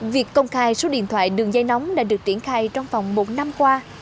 việc công khai số điện thoại đường dây nóng đã được triển khai trong vòng một năm qua